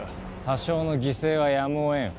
多少の犠牲はやむをえん。